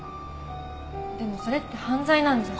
でもそれって犯罪なんじゃ。